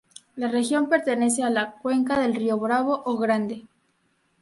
La región pertenece a la cuenca del Río Bravo o Grande.